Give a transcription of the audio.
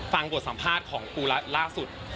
ฟังบทสัมภาษณ์ของปูรัฐล่าสุด